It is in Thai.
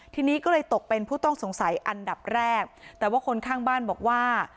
ทีนี้ก็เลยตกเป็นผู้ต้องสงสัยอันดับแรกแต่ว่าคนข้างบ้านบอกว่า